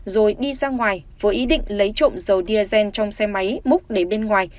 rồi đi ra ngoài với ý định lấy trộm dầu diazen trong xe máy múc để bên ngoài